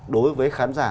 đối với khán giả